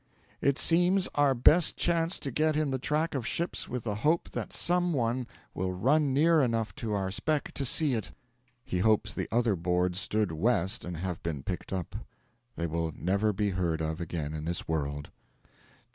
'It seems our best chance to get in the track of ships with the hope that some one will run near enough to our speck to see it.' He hopes the other boards stood west and have been picked up. (They will never be heard of again in this world.)